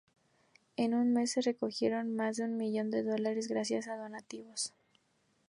En un mes, se recogieron más de un millón de dólares gracias a donativos.